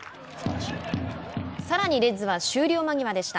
さらに、レッズは終了間際でした。